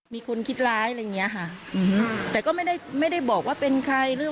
มีคนคิดร้ายอย่างนี้แต่ก็ไม่ได้ไม่ได้บอกว่าเป็นใครหรือ